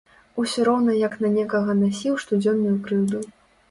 Усё роўна як на некага насіў штодзённую крыўду.